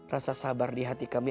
rasa sabar di hati kami